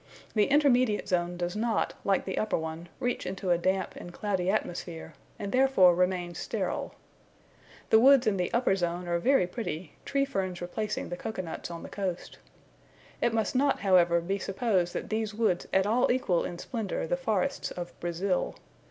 The intermediate zone does not, like the upper one, reach into a damp and cloudy atmosphere, and therefore remains sterile. The woods in the upper zone are very pretty, tree ferns replacing the cocoa nuts on the coast. It must not, however, be supposed that these woods at all equal in splendour the forests of Brazil.